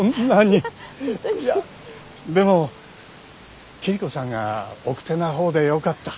いやでも桐子さんが奥手な方でよかった。